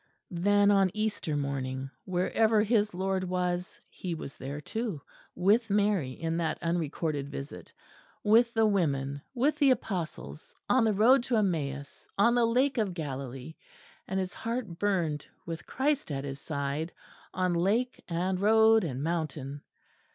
Then on Easter morning, wherever his Lord was, he was there too; with Mary in that unrecorded visit; with the women, with the Apostles; on the road to Emmaus; on the lake of Galilee; and his heart burned with Christ at his side, on lake and road and mountain.